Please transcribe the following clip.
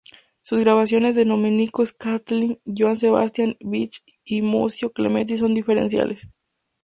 Sus grabaciones de Domenico Scarlatti, Johann Sebastian Bach y Muzio Clementi son referenciales.